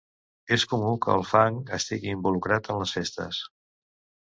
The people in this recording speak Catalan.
És comú que el fang estigui involucrat en les festes.